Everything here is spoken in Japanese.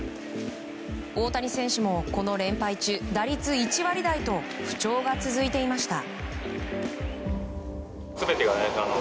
大谷選手もこの連敗中打率１割台と不調が続いていました。